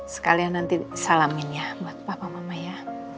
sekalian nanti salamin ya buat bapak mama ya